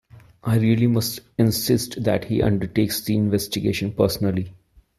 I really must insist that he undertakes the investigation personally.